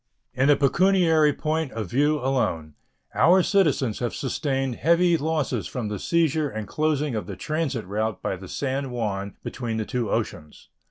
In a pecuniary point of view alone our citizens have sustained heavy losses from the seizure and closing of the transit route by the San Juan between the two oceans.